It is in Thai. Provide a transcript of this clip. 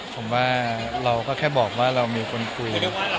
ผมว่าเราก็แค่บอกว่าเรามีคนคุย